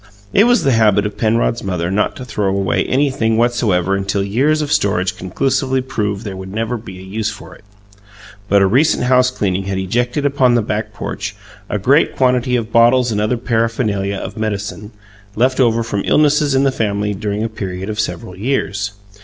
It was the habit of Penrod's mother not to throw away anything whatsoever until years of storage conclusively proved there would never be a use for it; but a recent house cleaning had ejected upon the back porch a great quantity of bottles and other paraphernalia of medicine, left over from illnesses in the family during a period of several years.